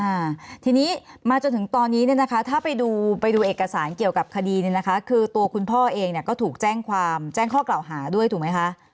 อ่าทีนี้มาจนถึงตอนนี้เนี่ยนะคะถ้าไปดูไปดูเอกสารเกี่ยวกับคดีเนี่ยนะคะคือตัวคุณพ่อเองเนี่ยก็ถูกแจ้งความแจ้งข้อกล่าวหาด้วยถูกไหมคะ